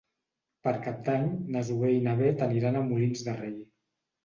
Per Cap d'Any na Zoè i na Bet aniran a Molins de Rei.